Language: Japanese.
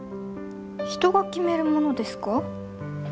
人が決めるものですか？